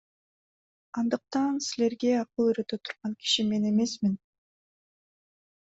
Андыктан силерге акыл үйрөтө турган киши мен эмесмин.